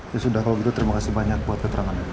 ya sudah kalau gitu terima kasih banyak buat keterangannya